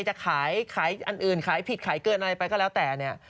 จะขายขายอันอื่นขายผิดขายเกินอะไรไปก็แล้วแต่เนี่ย